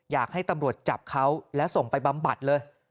อยากให้ตำรวจจับเขาและส่งไปบำบัดเลย